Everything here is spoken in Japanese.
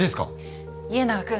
家長君。